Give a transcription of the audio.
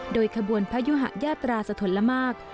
โดยขบวนพยุหะยาตราสะทนละมาก